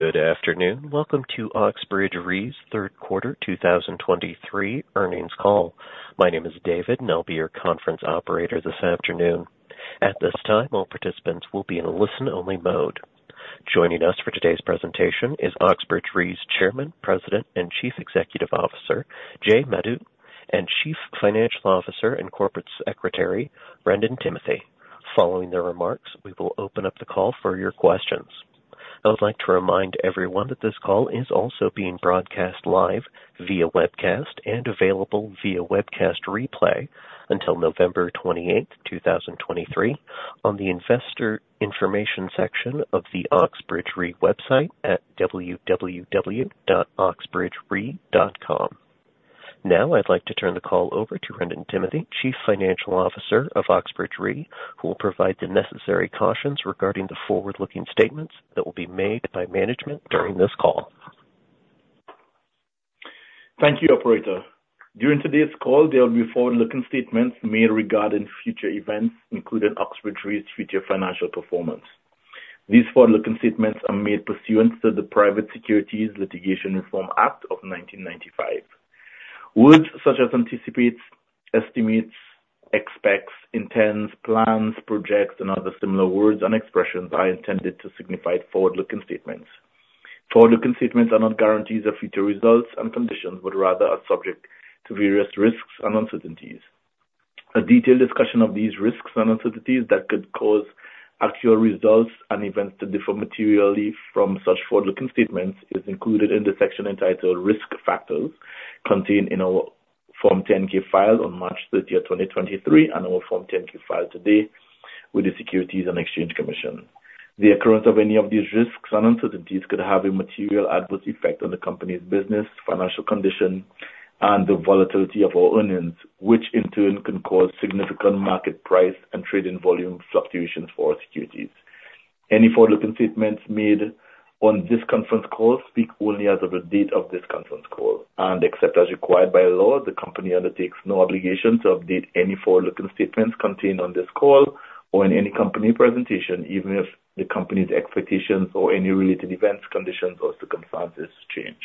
Good afternoon. Welcome to Oxbridge Re's third quarter 2023 earnings call. My name is David, and I'll be your conference operator this afternoon. At this time, all participants will be in a listen-only mode. Joining us for today's presentation is Oxbridge Re's Chairman, President, and Chief Executive Officer, Jay Madhu, and Chief Financial Officer and Corporate Secretary, Wrendon Timothy. Following their remarks, we will open up the call for your questions. I would like to remind everyone that this call is also being broadcast live via webcast and available via webcast replay until November 28, 2023, on the investor information section of the Oxbridge Re website at www.oxbridgere.com. Now I'd like to turn the call over to Wrendon Timothy, Chief Financial Officer of Oxbridge Re, who will provide the necessary cautions regarding the forward-looking statements that will be made by management during this call. Thank you, operator. During today's call, there will be forward-looking statements made regarding future events, including Oxbridge Re's future financial performance. These forward-looking statements are made pursuant to the Private Securities Litigation Reform Act of 1995. Words such as anticipates, estimates, expects, intends, plans, projects, and other similar words and expressions are intended to signify forward-looking statements. Forward-looking statements are not guarantees of future results and conditions, but rather are subject to various risks and uncertainties. A detailed discussion of these risks and uncertainties that could cause actual results and events to differ materially from such forward-looking statements is included in the section entitled Risk Factors, contained in our Form 10-K filed on March 30th, 2023, and our Form 10-K filed today with the Securities and Exchange Commission. The occurrence of any of these risks and uncertainties could have a material adverse effect on the company's business, financial condition, and the volatility of our earnings, which in turn can cause significant market price and trading volume fluctuations for our securities. Any forward-looking statements made on this conference call speak only as of the date of this conference call, and except as required by law, the company undertakes no obligation to update any forward-looking statements contained on this call or in any company presentation, even if the company's expectations or any related events, conditions or circumstances change.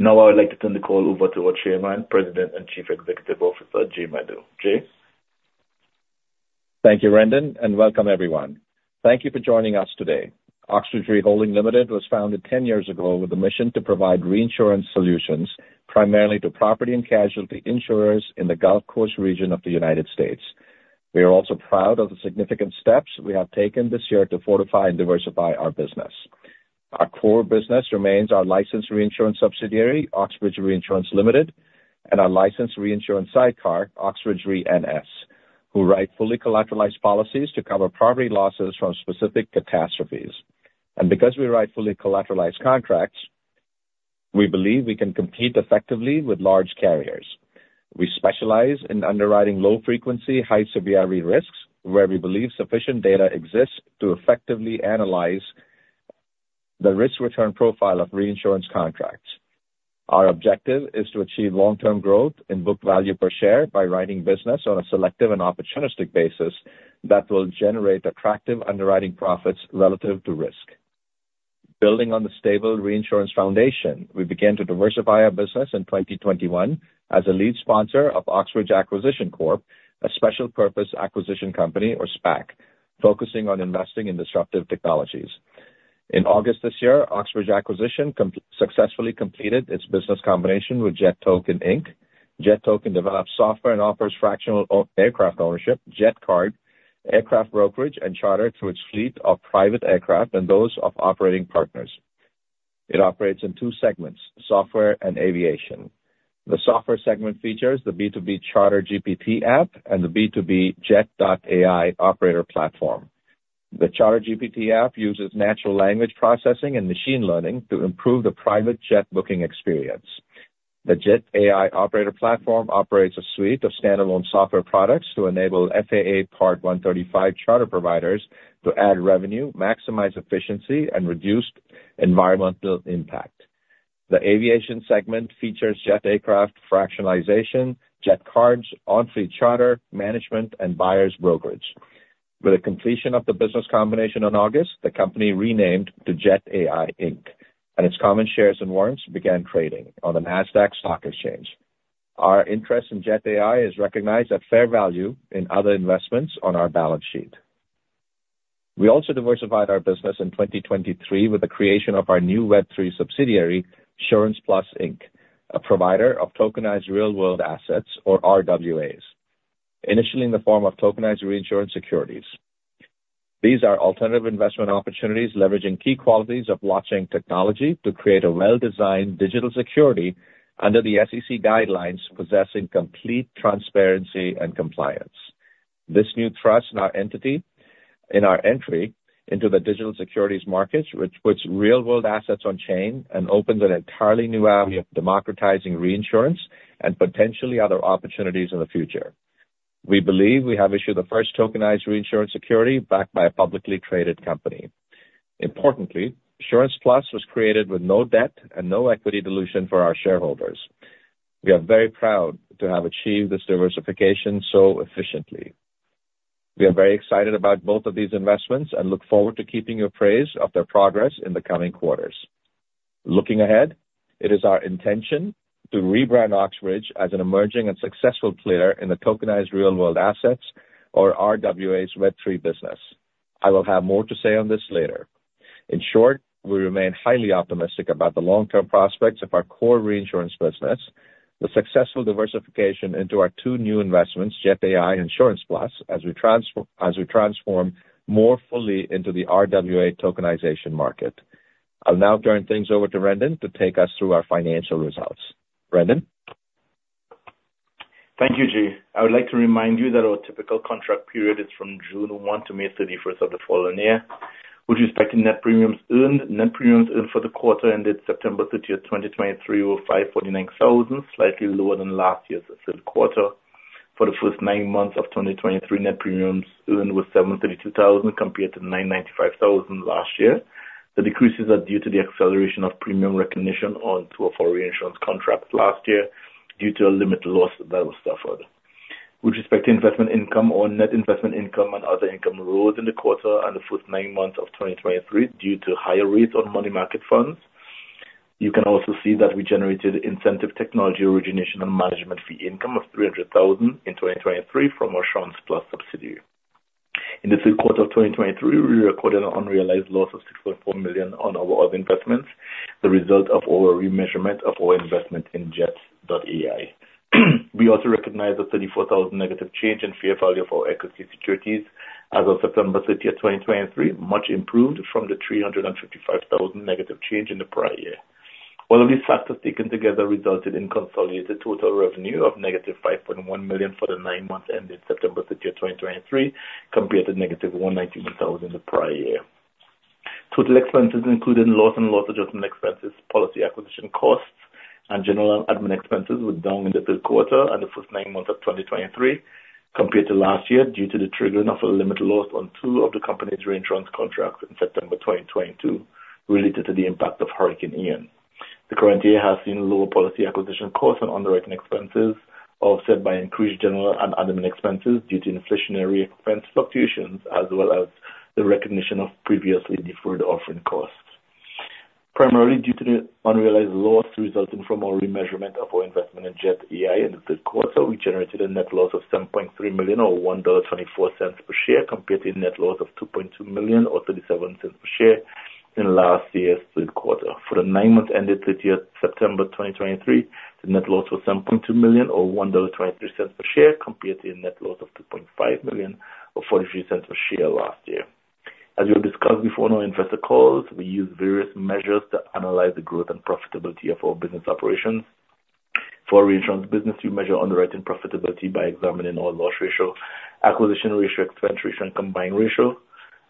Now, I would like to turn the call over to our Chairman, President, and Chief Executive Officer, Jay Madhu. Jay? Thank you, Wrendon, and welcome everyone. Thank you for joining us today. Oxbridge Re Holdings Limited was founded ten years ago with a mission to provide reinsurance solutions primarily to property and casualty insurers in the Gulf Coast region of the United States. We are also proud of the significant steps we have taken this year to fortify and diversify our business. Our core business remains our licensed reinsurance subsidiary, Oxbridge Reinsurance Limited, and our licensed reinsurance sidecar, Oxbridge Re NS, who write fully collateralized policies to cover property losses from specific catastrophes. And because we write fully collateralized contracts, we believe we can compete effectively with large carriers. We specialize in underwriting low frequency, high severity risks, where we believe sufficient data exists to effectively analyze the risk-return profile of reinsurance contracts. Our objective is to achieve long-term growth in book value per share by writing business on a selective and opportunistic basis that will generate attractive underwriting profits relative to risk. Building on the stable reinsurance foundation, we began to diversify our business in 2021 as a lead sponsor of Oxbridge Acquisition Corp, a special purpose acquisition company, or SPAC, focusing on investing in disruptive technologies. In August this year, Oxbridge Acquisition Corp successfully completed its business combination with Jet Token Inc. Jet Token develops software and offers fractional ownership, aircraft ownership, Jet Card, aircraft brokerage and charter through its fleet of private aircraft and those of operating partners. It operates in two segments: software and aviation. The software segment features the B2B CharterGPT app and the B2B Jet.AI operator platform. The CharterGPT app uses natural language processing and machine learning to improve the private jet booking experience. The Jet.AI operator platform operates a suite of standalone software products to enable FAA Part 135 charter providers to add revenue, maximize efficiency, and reduce environmental impact. The aviation segment features Jet.AIrcraft fractionalization, Jet Cards, on fleet charter, management, and buyer's brokerage. With the completion of the business combination in August, the company renamed to Jet.AI Inc., and its common shares and warrants began trading on the Nasdaq Stock Exchange. Our interest in Jet.AI is recognized at fair value in other investments on our balance sheet. We also diversified our business in 2023 with the creation of our new Web3 subsidiary, SurancePlus Inc., a provider of tokenized real-world assets, or RWAs, initially in the form of tokenized reinsurance securities. These are alternative investment opportunities leveraging key qualities of blockchain technology to create a well-designed digital security under the SEC guidelines, possessing complete transparency and compliance. This new trust in our entity, in our entry into the digital securities markets, which puts real-world assets on chain and opens an entirely new avenue of democratizing reinsurance and potentially other opportunities in the future. We believe we have issued the first tokenized reinsurance security backed by a publicly traded company. Importantly, SurancePlus was created with no debt and no equity dilution for our shareholders. We are very proud to have achieved this diversification so efficiently.... We are very excited about both of these investments and look forward to keeping you appraised of their progress in the coming quarters. Looking ahead, it is our intention to rebrand Oxbridge as an emerging and successful player in the tokenized real world assets or RWAs Web3 business. I will have more to say on this later. In short, we remain highly optimistic about the long-term prospects of our core reinsurance business, the successful diversification into our two new investments, Jet.AI and SurancePlus, as we transform more fully into the RWA tokenization market. I'll now turn things over to Wrendon to take us through our financial results. Wrendon? Thank you, Jay. I would like to remind you that our typical contract period is from June 1 to May 31st of the following year. With respect to net premiums earned, net premiums earned for the quarter ended September 30th, 2023, were $549 thousand, slightly lower than last year's third quarter. For the first nine months of 2023, net premiums earned was $732 thousand, compared to $995 thousand last year. The decreases are due to the acceleration of premium recognition on two of our reinsurance contracts last year due to a limit loss that was suffered. With respect to investment income, net investment income and other income rose in the quarter and the first nine months of 2023 due to higher rates on money market funds. You can also see that we generated incentive technology, origination, and management fee income of $300,000 in 2023 from our SurancePlus subsidiary. In the third quarter of 2023, we recorded an unrealized loss of $6.4 million on our investments, the result of our remeasurement of our investment in Jet.AI. We also recognized a $34,000 negative change in fair value of our equity securities as of September 30th, 2023, much improved from the $355,000 negative change in the prior year. All of these factors, taken together, resulted in consolidated total revenue of negative $5.1 million for the nine months ended September 30th, 2023, compared to negative $191,000 the prior year. Total expenses, including loss and loss adjustment expenses, policy acquisition costs, and general and admin expenses, were down in the third quarter and the first nine months of 2023 compared to last year, due to the triggering of a limit loss on two of the company's reinsurance contracts in September 2022, related to the impact of Hurricane Ian. The current year has seen lower policy acquisition costs and underwriting expenses, offset by increased general and admin expenses due to inflationary expense fluctuations, as well as the recognition of previously deferred offering costs. Primarily due to the unrealized loss resulting from our remeasurement of our investment in Jet.AI in the third quarter, we generated a net loss of $7.3 million, or $1.24 per share, compared to a net loss of $2.2 million, or $0.37 per share in last year's third quarter. For the nine months ended September 30th, 2023, the net loss was $7.2 million, or $1.23 per share, compared to a net loss of $2.5 million, or $0.43 per share last year. As we have discussed before on our investor calls, we use various measures to analyze the growth and profitability of our business operations. For our reinsurance business, we measure underwriting profitability by examining our loss ratio, acquisition ratio, expense ratio, and combined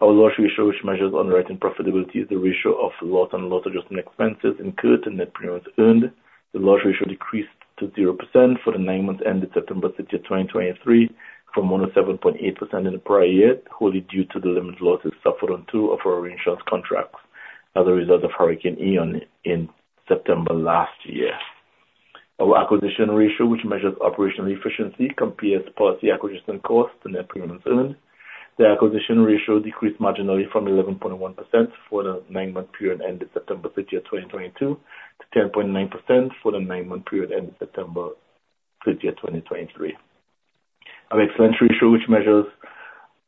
ratio. Our loss ratio, which measures underwriting profitability, is the ratio of loss and loss adjustment expenses incurred to net premiums earned. The loss ratio decreased to 0% for the nine months ended September 30th, 2023, from 107.8% in the prior year, wholly due to the limited losses suffered on two of our reinsurance contracts as a result of Hurricane Ian in September last year. Our acquisition ratio, which measures operational efficiency, compares policy acquisition costs to net premiums earned. The acquisition ratio decreased marginally from 11.1% for the nine-month period ending September 30th, 2022, to 10.9% for the nine-month period ending September 30th, 2023. Our expense ratio, which measures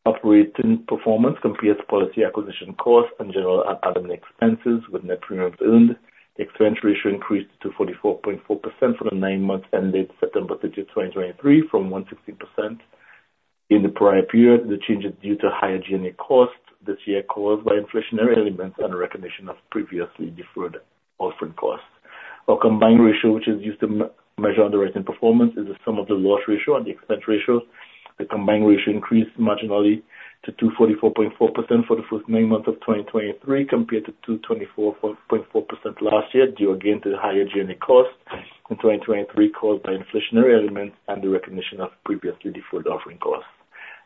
operating performance, compares policy acquisition costs and general and admin expenses with net premiums earned. The expense ratio increased to 44.4% for the nine months ended September 30th, 2023, from 160% in the prior period. The change is due to higher general costs this year, caused by inflationary elements and recognition of previously deferred offering costs. Our combined ratio, which is used to measure underwriting performance, is the sum of the loss ratio and the expense ratio. The combined ratio increased marginally to 244.4% for the first nine months of 2023, compared to 224.4% last year, due again to the higher general costs in 2023, caused by inflationary elements and the recognition of previously deferred offering costs.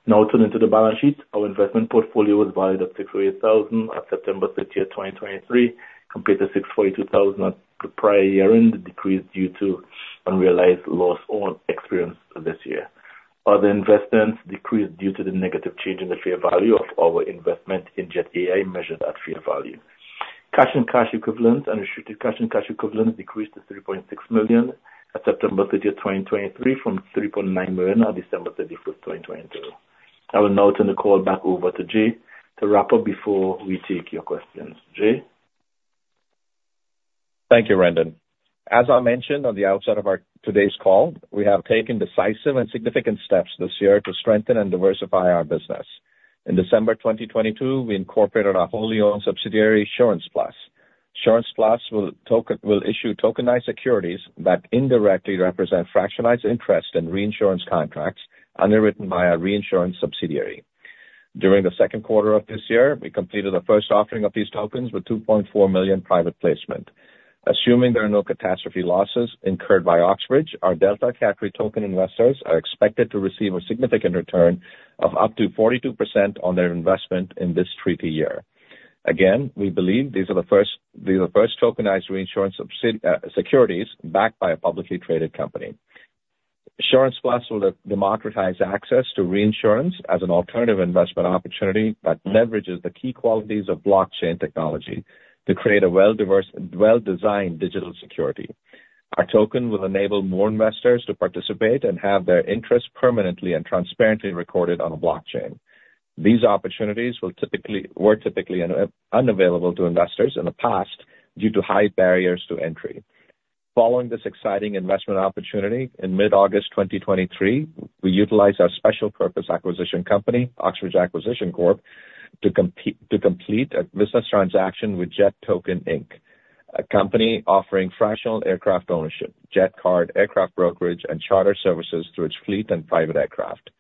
Now turning to the balance sheet. Our investment portfolio was valued at $648,000 on September 30th 2023, compared to $642,000 at the prior year end, decreased due to unrealized loss on investments this year. Other investments decreased due to the negative change in the fair value of our investment in Jet.AI, measured at fair value. Cash and cash equivalents, unrestricted cash and cash equivalents, decreased to $3.6 million on September 30th, 2023, from $3.9 million on December 31st, 2022. I will now turn the call back over to Jay to wrap up before we take your questions. Jay? Thank you, Wrendon. As I mentioned on the outset of our call today, we have taken decisive and significant steps this year to strengthen and diversify our business. In December 2022, we incorporated our wholly owned subsidiary, SurancePlus. SurancePlus will issue tokenized securities that indirectly represent fractionalized interest in reinsurance contracts underwritten by our reinsurance subsidiary. During the second quarter of this year, we completed the first offering of these tokens with $2.4 million private placement. Assuming there are no catastrophe losses incurred by Oxbridge, our Delta Cat Re token investors are expected to receive a significant return of up to 42% on their investment in this treaty year.... Again, we believe these are the first, these are the first tokenized reinsurance securities backed by a publicly traded company. SurancePlus will democratize access to reinsurance as an alternative investment opportunity that leverages the key qualities of blockchain technology to create a well diverse, well-designed digital security. Our token will enable more investors to participate and have their interests permanently and transparently recorded on a blockchain. These opportunities were typically unavailable to investors in the past due to high barriers to entry. Following this exciting investment opportunity, in mid-August 2023, we utilized our special purpose acquisition company, Oxbridge Acquisition Corp, to complete a business transaction with Jet Token Inc, a company offering fractional aircraft ownership, jet card, aircraft brokerage, and charter services through its fleet and private aircraft.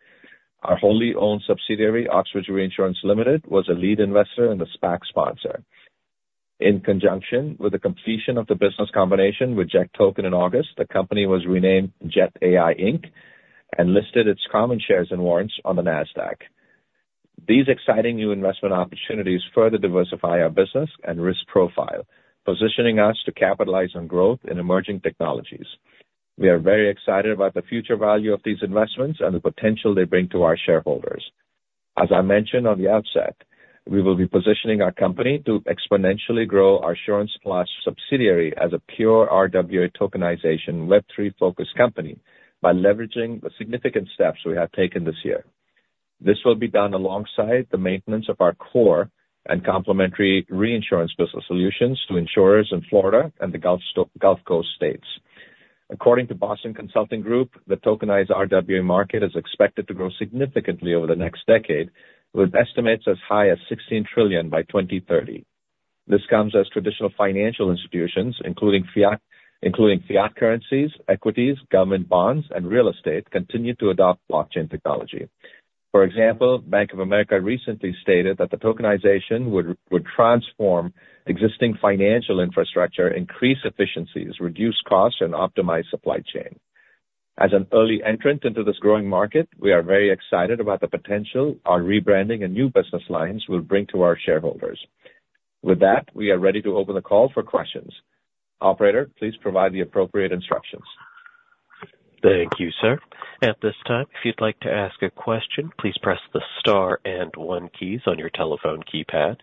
Our wholly owned subsidiary, Oxbridge Reinsurance Limited, was a lead investor and a SPAC sponsor. In conjunction with the completion of the business combination with Jet Token in August, the company was renamed Jet.AI Inc. and listed its common shares and warrants on the Nasdaq. These exciting new investment opportunities further diversify our business and risk profile, positioning us to capitalize on growth in emerging technologies. We are very excited about the future value of these investments and the potential they bring to our shareholders. As I mentioned on the outset, we will be positioning our company to exponentially grow our SurancePlus subsidiary as a pure RWA tokenization Web3-focused company by leveraging the significant steps we have taken this year. This will be done alongside the maintenance of our core and complementary reinsurance business solutions to insurers in Florida and the Gulf Coast states. According to Boston Consulting Group, the tokenized RWA market is expected to grow significantly over the next decade, with estimates as high as 16 trillion by 2030. This comes as traditional financial institutions, including fiat currencies, equities, government bonds, and real estate, continue to adopt blockchain technology. For example, Bank of America recently stated that the tokenization would transform existing financial infrastructure, increase efficiencies, reduce costs, and optimize supply chain. As an early entrant into this growing market, we are very excited about the potential our rebranding and new business lines will bring to our shareholders. With that, we are ready to open the call for questions. Operator, please provide the appropriate instructions. Thank you, sir. At this time, if you'd like to ask a question, please press the star and one keys on your telephone keypad.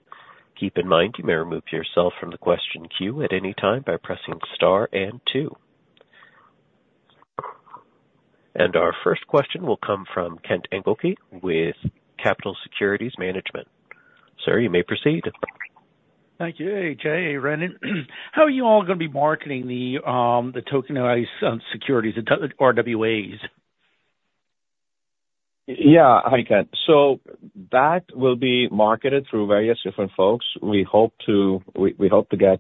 Keep in mind, you may remove yourself from the question queue at any time by pressing star and two. Our first question will come from Kent Engelke with Capitol Securities Management. Sir, you may proceed. Thank you. Hey, Jay, Wrendon, how are you all gonna be marketing the tokenized securities, the RWAs? Yeah. Hi, Kent. So that will be marketed through various different folks. We hope to get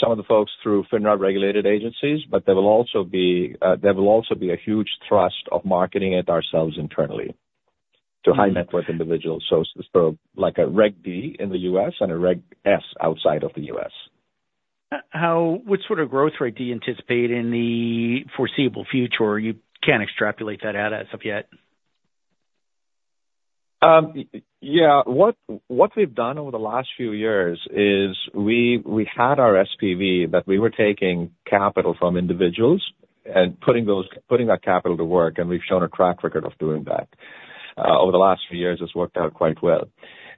some of the folks through FINRA-regulated agencies, but there will also be a huge thrust of marketing it ourselves internally to high net worth individuals. So, like a Reg D in the U.S. and a Reg S outside of the U.S. What sort of growth rate do you anticipate in the foreseeable future, or you can't extrapolate that out as of yet? Yeah, what, what we've done over the last few years is we, we had our SPV, that we were taking capital from individuals and putting those, putting that capital to work, and we've shown a track record of doing that. Over the last few years, it's worked out quite well.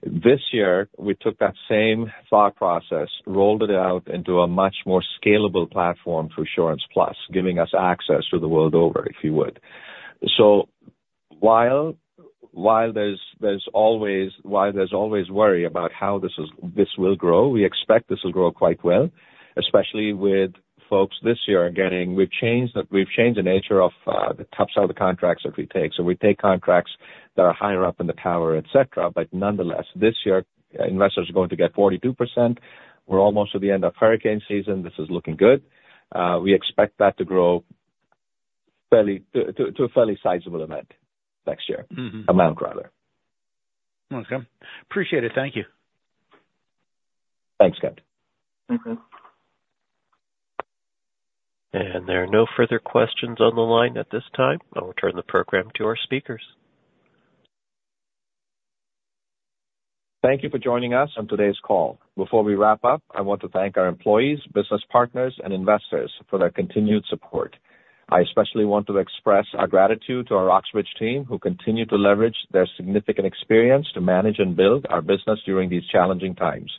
This year, we took that same thought process, rolled it out into a much more scalable platform through SurancePlus, giving us access to the world over, if you would. So while, while there's, there's always, while there's always worry about how this is, this will grow, we expect this will grow quite well, especially with folks this year getting... We've changed the, we've changed the nature of, the top side of the contracts that we take. So we take contracts that are higher up in the tower, et cetera. Nonetheless, this year, investors are going to get 42%. We're almost to the end of hurricane season. This is looking good. We expect that to grow fairly to a fairly sizable amount next year. Mm-hmm. Amount, rather. Okay. Appreciate it. Thank you. Thanks, Kent. Mm-hmm. There are no further questions on the line at this time. I'll return the program to our speakers. Thank you for joining us on today's call. Before we wrap up, I want to thank our employees, business partners, and investors for their continued support. I especially want to express our gratitude to our Oxbridge team, who continue to leverage their significant experience to manage and build our business during these challenging times.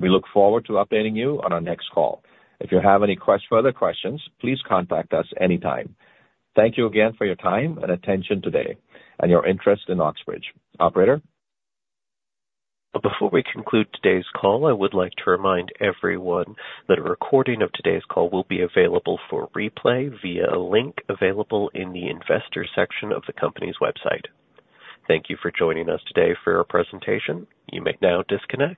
We look forward to updating you on our next call. If you have any further questions, please contact us anytime. Thank you again for your time and attention today and your interest in Oxbridge. Operator? Before we conclude today's call, I would like to remind everyone that a recording of today's call will be available for replay via a link available in the Investors section of the company's website. Thank you for joining us today for our presentation. You may now disconnect.